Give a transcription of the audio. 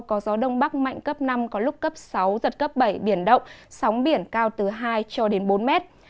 có gió đông bắc mạnh cấp năm có lúc cấp sáu giật cấp bảy biển động sóng biển cao từ hai cho đến bốn mét